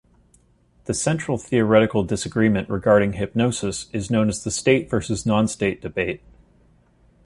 The central theoretical disagreement regarding hypnosis is known as the "state versus nonstate" debate.